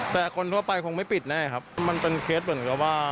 แต่คนทั่วไปคงไม่ปิดแน่ครับมันเป็นเคสเหมือนกับว่า